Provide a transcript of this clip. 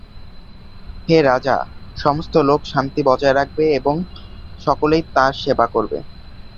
হে রাজা, সমস্ত লোক শান্তি বজায় রাখবে এবং সকলেই তাঁর সেবা করবে।